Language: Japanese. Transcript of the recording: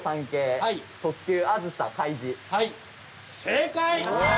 正解！